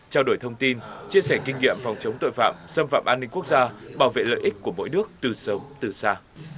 trao đổi thông tin chia sẻ kinh nghiệm phòng chống tội phạm xâm phạm an ninh quốc gia bảo vệ lợi ích của mỗi nước từ sâu từ xa